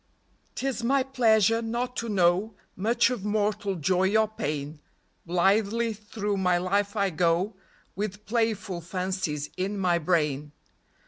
'T is my pleasure not to know Much of mortal joy or pain ; Blithely through my life I go With playful fancies in my brain.